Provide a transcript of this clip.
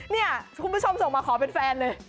นี่คุณผู้ชมส่งมาขอเป็นแฟนเลย